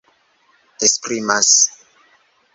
esprimas